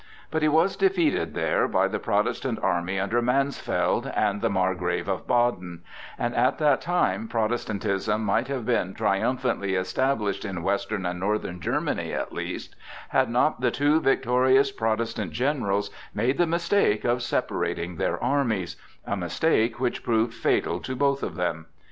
But he was defeated there by the Protestant army under Mansfeld and the Margrave of Baden; and at that time Protestantism might have been triumphantly established in western and northern Germany at least, had not the two victorious Protestant generals made the mistake of separating their armies,—a mistake which proved fatal to both of them.